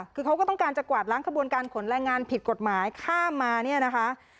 คือเขาก็ต้องการจะกวาดล้างขบวนการขนแรงงานผิดกฎหมายข้ามมาเนี่ยนะคะ